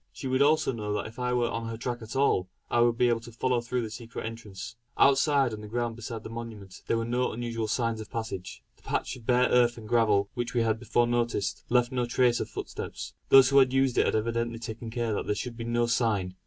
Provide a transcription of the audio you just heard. She would also know that if I were on her track at all, I would be able to follow through the secret entrance. Outside, on the ground beside the monument, were no unusual signs of passage. The patch of bare earth and gravel, which we had before noticed, left no trace of footsteps. Those who had used it had evidently taken care that there should be no sign.